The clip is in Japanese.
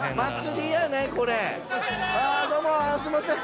どうもすいません